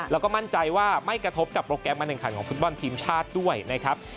แล้วก็มั่นใจว่าไม่กระทบกับโปรแกรมการแข่งขันของฟุตบอลทีมชาติด้วยนะครับ